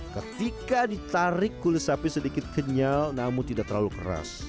ketika ditarik kulit sapi sedikit kenyal namun tidak terlalu keras